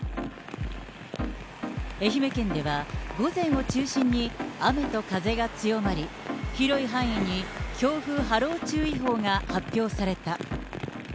愛媛県では、午前を中心に雨と風が強まり、広い範囲に強風波浪注意報が発表された。